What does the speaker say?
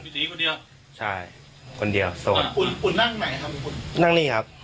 พี่ตีคนเดียวใช่คนเดียวส่วนอ่าอุ่นนั่งไหนครับนั่งนี่ครับ